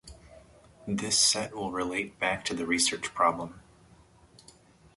This set will relate back to the research problem.